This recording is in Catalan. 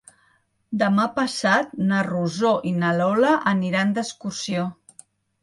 Demà passat na Rosó i na Lola aniran d'excursió.